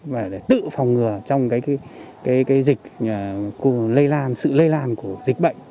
và để tự phòng ngừa trong dịch lây lan sự lây lan của dịch bệnh